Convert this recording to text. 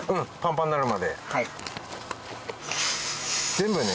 ・全部ね。